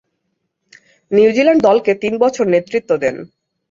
New Zealand দলকে তিন বছর নেতৃত্ব দেন।